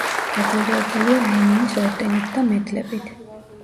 დაჯილდოებულია ლენინის ორდენით და მედლებით.